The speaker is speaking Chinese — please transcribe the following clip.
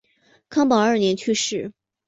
康保二年去世。